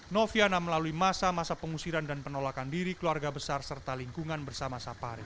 noviana melalui masa masa pengusiran dan penolakan diri keluarga besar serta lingkungan bersama safari